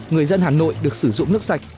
một trăm linh người dân hà nội được sử dụng nước sạch